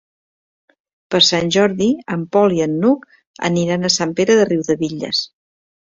Per Sant Jordi en Pol i n'Hug aniran a Sant Pere de Riudebitlles.